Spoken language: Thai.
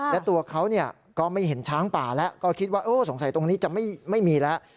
และตัวเขาก็ไม่เห็นช้างป่าแล้วก็คิดว่าสงสัยตรงนี้จะไม่มีแล้ว